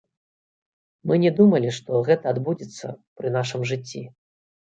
Мы не думалі, што гэта адбудзецца пры нашым жыцці.